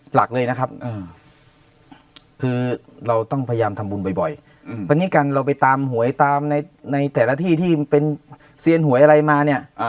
หลักเลยนะครับคือเราต้องพยายามทำบุญบ่อยวันนี้การเราไปตามหวยตามในแต่ละที่ที่เป็นเซียนหวยอะไรมาเนี่ย